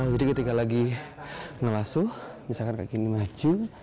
jadi ketika lagi melasuk misalkan kaki ini maju